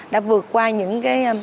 đã vượt qua những cái